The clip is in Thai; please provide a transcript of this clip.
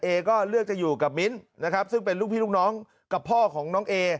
เอก็เลือกจะอยู่กับมิ้นนะครับซึ่งเป็นลูกพี่ลูกน้องกับพ่อของน้องเอ